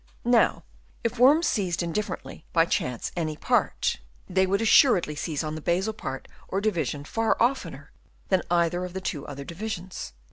Now if worms seized indifferently by chance any part, they would assuredly seize on the basal part or Chap. II. THEIR INTELLIGENCE. 87 division far oftener than on either of the two other divisions.